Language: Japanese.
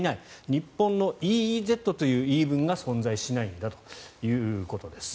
日本のＥＥＺという言い分は存在しないんだということです。